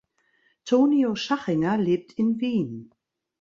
Tonio Schachinger lebt in Wien.